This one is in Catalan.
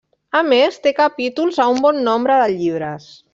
A més, té capítols a un bon nombre de llibres.